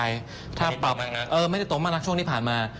ไม่ตรงมากนะครับไม่ตรงมากช่วงที่ผ่านมา